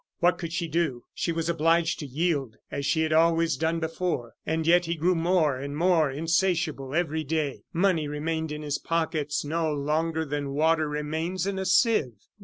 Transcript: What could she do? She was obliged to yield, as she had always done before. And yet he grew more and more insatiable every day. Money remained in his pockets no longer than water remains in a sieve.